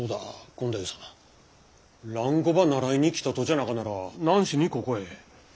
権太夫さん蘭語ば習いに来たとじゃなかなら何しにここへ。